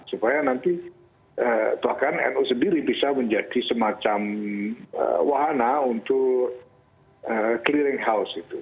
supaya nanti bahkan nu sendiri bisa menjadi semacam wahana untuk clearing house itu